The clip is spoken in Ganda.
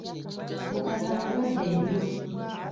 Mukasa mulwadde nnyo.